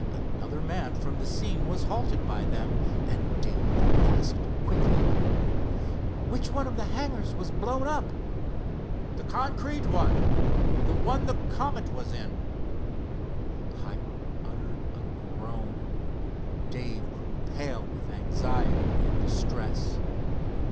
Another man from the scene was halted by them, and Dave asked quickly: "Which one of the hangars was blown up?" "The concrete one—the one the Comet was in." Hiram uttered a groan. Dave grew pale with anxiety and distress.